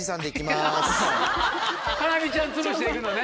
ハラミちゃんつぶしで行くのね。